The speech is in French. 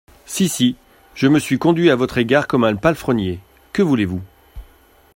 Si, si, je me suis conduit à votre égard comme un palefrenier… que voulez-vous !